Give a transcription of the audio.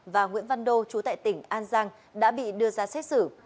và nguyễn văn đô chú tại tỉnh an giang đã bị đưa ra xét xử